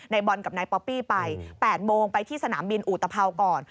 บอลกับนายป๊อปปี้ไป๘โมงไปที่สนามบินอุตภัวก่อน